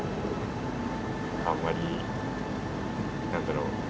あんまり何だろう。